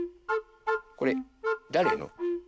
これだれの？